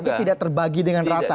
tapi tidak terbagi dengan rata